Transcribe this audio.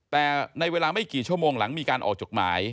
แต่ในเวลาไม่กี่ชั่วโมงหลังมีการออกจดหมาย